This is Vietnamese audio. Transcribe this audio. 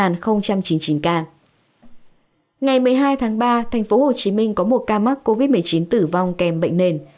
ngày một mươi hai tháng ba tp hcm có một ca mắc covid một mươi chín tử vong kèm bệnh nền